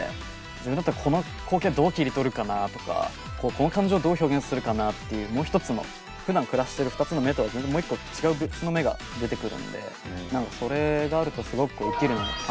自分だったらこの光景どう切り取るかなとかこの感情をどう表現するかなっていうもう一つのふだん暮らしてる２つの目とは全然もう一個違う別の目が出てくるので何かそれがあるとすごく生きるのが楽しくなるのかなという。